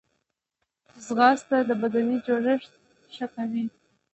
ځغاسته د بدني جوړښت ښه کوي